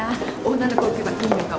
女の子ウケはいいのかも。